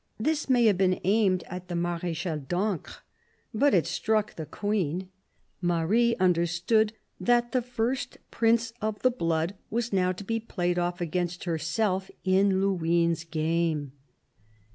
This may have been aimed at the Marechal d'Ancre, but it struck the Queen. Marie under stood that the first prince of the blood was now to be played off against herself in Luynes' game.